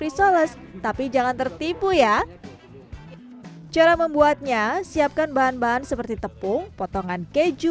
risoles tapi jangan tertipu ya cara membuatnya siapkan bahan bahan seperti tepung potongan keju